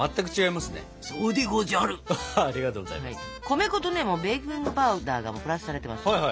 米粉とベーキングパウダーがプラスされてますので。